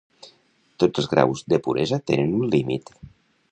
Tots els graus de puresa tenen un límit.